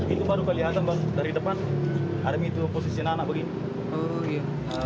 itu baru kelihatan dari depan army itu posisi nanak begitu